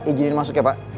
ijinin masuk ya pak